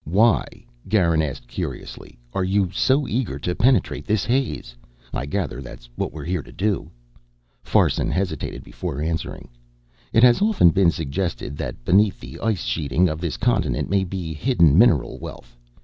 "Why," Garin asked curiously, "are you so eager to penetrate this haze? I gather that's what we're to do " Farson hesitated before answering. "It has often been suggested that beneath the ice sheeting of this continent may be hidden mineral wealth.